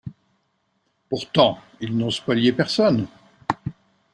Pourtant, ils n’ont spolié personne.